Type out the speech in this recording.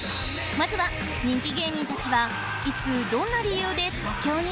まずは人気芸人達はいつどんな理由で東京に？